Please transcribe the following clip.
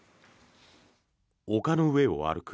丘の上を歩く